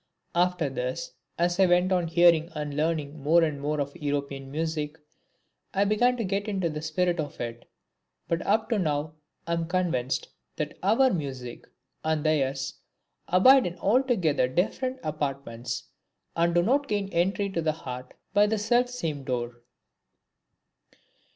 After this, as I went on hearing and learning more and more of European music, I began to get into the spirit of it; but up to now I am convinced that our music and theirs abide in altogether different apartments, and do not gain entry to the heart by the self same door.